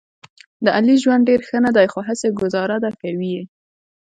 د علي ژوند ډېر ښه نه دی، خو هسې ګوزاره ده کوي یې.